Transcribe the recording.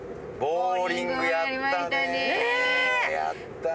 ボウリングやりましたね。